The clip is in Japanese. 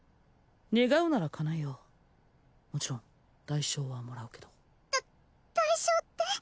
願うなら叶えようもちろん代償はもらうけどだ代償って？